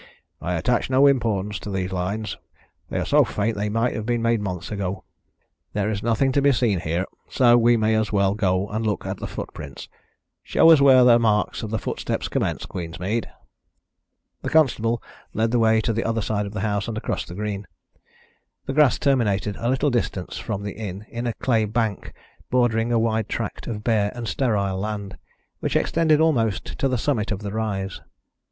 "I attach no importance to these lines. They are so faint that they might have been made months ago. There is nothing to be seen here, so we may as well go and look at the footprints. Show us where the marks of the footsteps commence, Queensmead." The constable led the way to the other side of the house and across the green. The grass terminated a little distance from the inn in a clay bank bordering a wide tract of bare and sterile land, which extended almost to the summit of the rise.